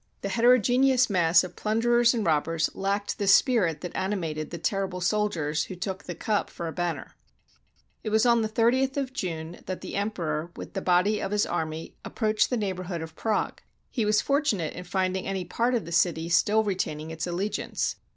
The heterogeneous mass of plunderers and robbers lacked the spirit that animated the terrible soldiers who took the cup for a banner. It was on the 30th of June, that the Emperor with the body of his army approached the neighborhood of Prague. He was fortunate in finding any part of the city still retaining its allegiance.